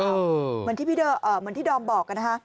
เออเหมือนที่พี่เดอร์เอ่อเหมือนที่ดอมบอกนะฮะ